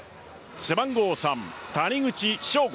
背番号３・谷口彰悟